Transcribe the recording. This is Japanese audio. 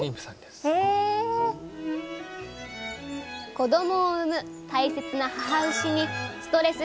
子どもを産む大切な母牛にストレス